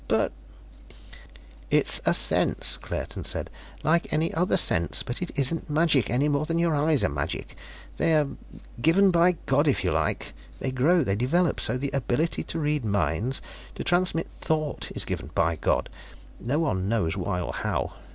"But " "It's a sense," Claerten said. "Like any other sense. But it isn't magic any more than your eyes are magic. They're ... given by God, if you like; they grow, they develop. So the ability to read minds, to transmit thought is given by God. No one knows why or how.